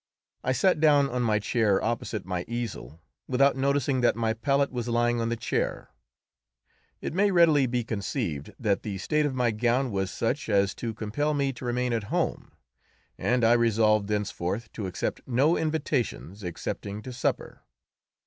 I sat down on my chair opposite my easel without noticing that my palette was lying on the chair. It may readily be conceived that the state of my gown was such as to compel me to remain at home, and I resolved thenceforth to accept no invitations excepting to supper.